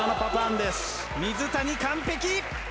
水谷、完璧。